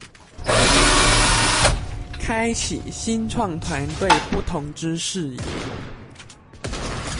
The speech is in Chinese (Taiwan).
開啟新創團隊不同之視野